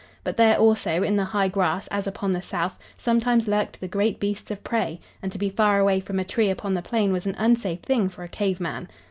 But there also, in the high grass, as upon the south, sometimes lurked the great beasts of prey, and to be far away from a tree upon the plain was an unsafe thing for a cave man.